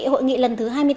hội nghị lần thứ hai mươi tám